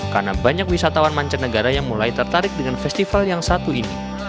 karena banyak wisatawan mancanegara yang mulai tertarik dengan festival yang satu ini